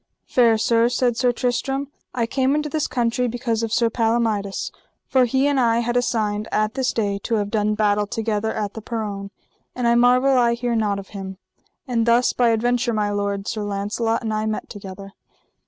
Fair sir, said Sir Tristram, I came into this country because of Sir Palomides; for he and I had assigned at this day to have done battle together at the peron, and I marvel I hear not of him. And thus by adventure my lord, Sir Launcelot, and I met together.